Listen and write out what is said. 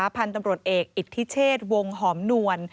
พันธุ์ตำรวจเอกอิทธิเชษวงหอมนวล